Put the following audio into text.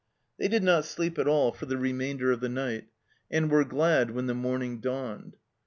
They did not sleep at all for the remainder of the night, and were glad when the morning dawned.